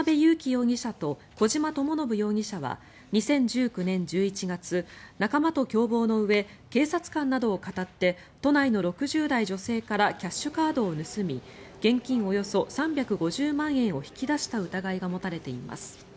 容疑者と小島智信容疑者は２０１９年１１月仲間と共謀のうえ警察官などをかたって都内の６０代の女性からキャッシュカードを盗み現金およそ３５０万円を引き出した疑いが持たれています。